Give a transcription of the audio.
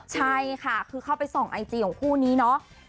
ใช่ค่ะคือเข้าไปส่องไอจีของคู่นี้เนาะ